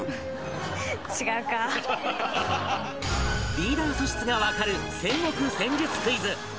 リーダー素質がわかる戦国戦術クイズ